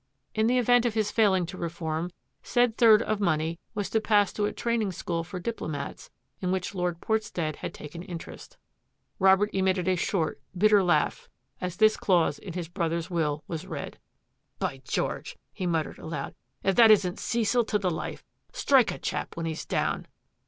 In the event of his failing to reform, said third of money was to pass to a training school for diplomats in which Lord Port stead had taken interest. Robert emitted a short, bitter laugh as this clause in his brother's will was read. " By George !" he muttered aloud, " if that isn't Cecil to the Uf e — strike a chap when he's down."